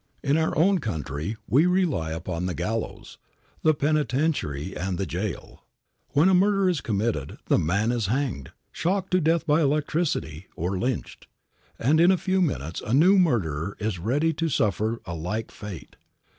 In our own country we rely upon the gallows, the penitentiary and the jail. When a murder is committed, the man is hanged, shocked to death by electricity, or lynched, and in a few minutes a new murderer is ready to suffer a like fate.